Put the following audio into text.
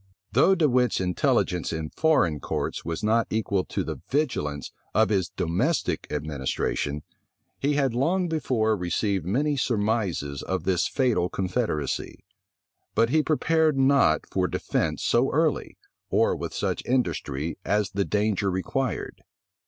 Though De Wit's intelligence in foreign courts was not equal to the vigilance of his domestic administration, he had long before received many surmises of this fatal confederacy; but he prepared not for defence so early, or with such industry, as the danger required.